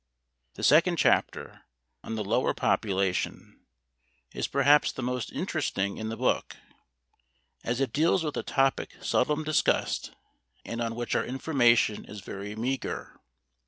The second chapter, on the lower population, is perhaps the most interesting in the book, as it deals with a topic seldom discussed and on which our information is very meager.